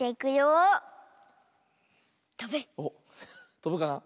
とぶかな？